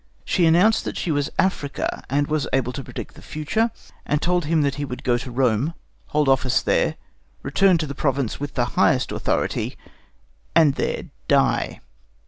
She announced that she was Africa, and was able to predict the future, and told him that he would go to Rome, hold office there, return to the province with the highest authority, and there die.